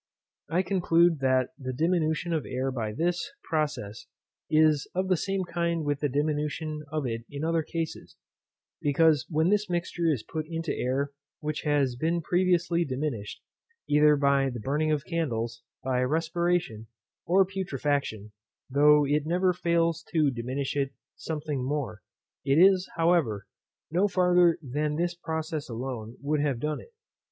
I conclude that the diminution of air by this, process is of the same kind with the diminution of it in the other cases, because when this mixture is put into air which has been previously diminished, either by the burning of candles, by respiration, or putrefaction, though it never fails to diminish it something more, it is, however, no farther than this process alone would have done it.